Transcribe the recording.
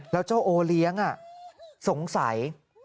แล้วเจ้าโอเลี้ยงสงสัย